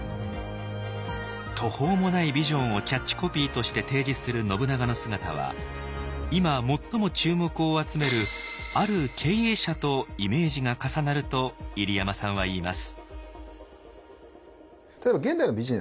途方もないビジョンをキャッチコピーとして提示する信長の姿は今最も注目を集めるある経営者とイメージが重なると入山さんは言います。